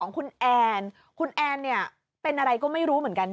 คุณแอนคุณแอนเนี่ยเป็นอะไรก็ไม่รู้เหมือนกัน